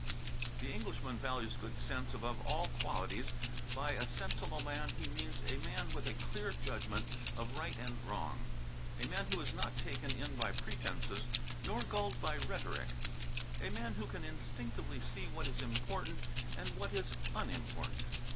The Englishman values good sense above almost all qualities; by a sensible man he means a man with a clear judgment of right and wrong, a man who is not taken in by pretences nor gulled by rhetoric; a man who can instinctively see what is important and what is unimportant.